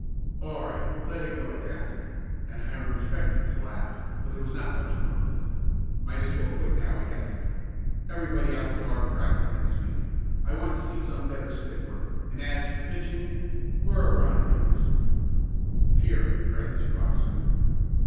"All right, let it go at that," and Hiram affected to laugh, but there was not much mirth in it. "Might as well quit now, I guess. Everybody out for hard practice next week. I want to see some better stick work, and as for pitching where are Brown and Akers?" "Here!" cried the two boxmen.